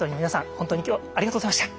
本当に今日はありがとうございました。